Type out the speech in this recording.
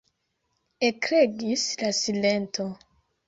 Ekregis la silento.